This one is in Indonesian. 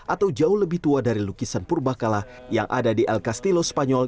atau jauh lebih tua dari lukisan purba kala yang ada di el castillo spanyol